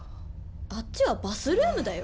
あっちはバスルームだよ。